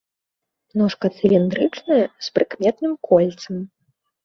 Ножка цыліндрычная, з прыкметным кольцам.